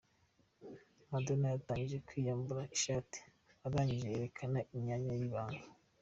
Madonna yatangiye yiyambura ishati, arangije yerekana imyanya ye y'ibanga.